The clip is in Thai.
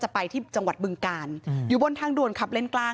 จะรับผิดชอบกับความเสียหายที่เกิดขึ้น